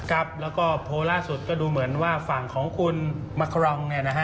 ครับแล้วก็โพสต์ล่าสุดก็ดูเหมือนว่าฝั่งของคุณมะครองเนี่ยนะฮะ